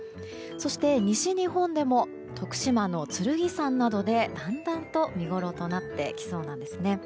そして、西日本でも徳島の剣山などでだんだんと見ごろとなってきそうなんですね。